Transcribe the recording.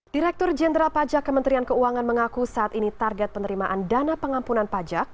direktur jenderal pajak kementerian keuangan mengaku saat ini target penerimaan dana pengampunan pajak